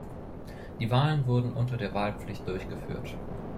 Die Wahlen wurden unter der Wahlpflicht durchgeführt.